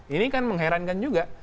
ini kan mengherankan juga